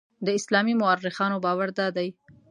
د اسلامي مورخانو باور دادی.